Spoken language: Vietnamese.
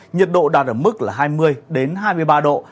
nhiệt độ đạt ở mức là hai mươi hai mươi ba độ